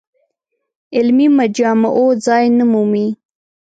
علمي مجامعو ځای نه مومي.